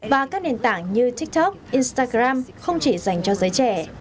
và các nền tảng như tiktok instagram không chỉ dành cho giới trẻ